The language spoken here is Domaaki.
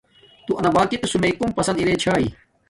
تو انا بار کی قسم کوم پسن ارے چھاݵ